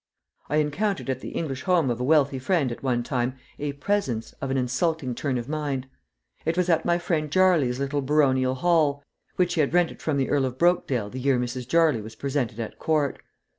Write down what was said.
I encountered at the English home of a wealthy friend at one time a "presence" of an insulting turn of mind. It was at my friend Jarley's little baronial hall, which he had rented from the Earl of Brokedale the year Mrs. Jarley was presented at court.